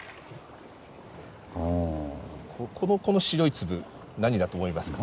この白い粒何だと思いますか？